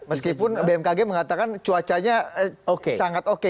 meskipun bmkg mengatakan cuacanya sangat oke